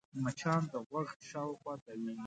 مچان د غوږ شاوخوا تاوېږي